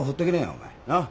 お前なっ。